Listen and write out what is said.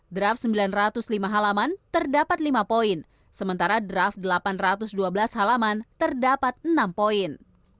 draft sembilan ratus lima halaman terdapat lima poin sementara draft delapan ratus dua belas halaman terdapat enam poin